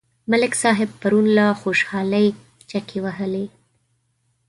ملک صاحب پرون له خوشحالۍ چکې وهلې.